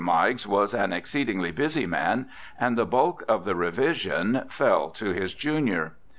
Meigs was an exceedingly busy man, and the bulk of the revision fell to his junior.